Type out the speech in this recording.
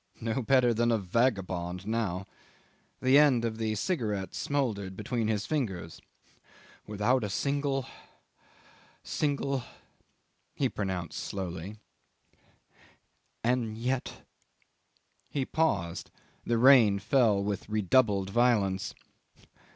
"No better than a vagabond now" ... the end of the cigarette smouldered between his fingers ... "without a single single," he pronounced slowly; "and yet ..." He paused; the rain fell with redoubled violence.